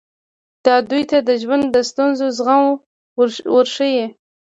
دا دوی ته د ژوند د ستونزو زغم ورښيي.